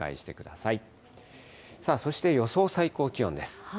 さあ、そして予想最高気温です。